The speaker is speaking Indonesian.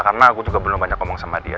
karena gue juga belum banyak ngomong sama dia